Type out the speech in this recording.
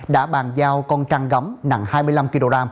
đã bàn giao con trăng gắm nặng hai mươi năm kg